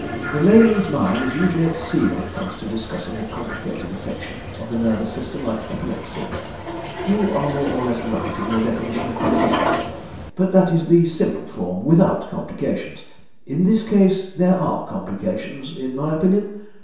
The layman's mind is usually at sea when it comes to discussing a complicated affection of the nervous system like epilepsy. You are more or less right in your definition of petit mal. But that is the simple form, without complications. In this case there are complications, in my opinion.